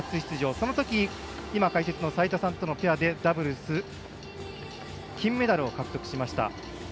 そのとき解説の齋田さんとのペアでダブルス金メダルを獲得しました。